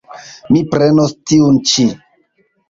Mi prenos tiun ĉi.